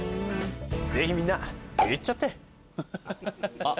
ぜひみんな行っちゃって。